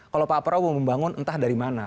kalau pak prabowo membangun entah dari mana